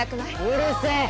うるせえ！